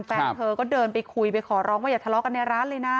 แฟนเธอก็เดินไปคุยไปขอร้องว่าอย่าทะเลาะกันในร้านเลยนะ